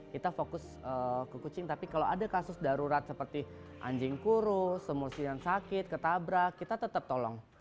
kita fokus ke kucing tapi kalau ada kasus darurat seperti anjing kurus semursi yang sakit ketabrak kita tetap tolong